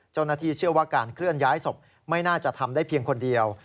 เจ้าหน้าที่เชื่อว่าการเคลื่อนย้ายศพไม่น่าจะทำได้เพียงคนเดียว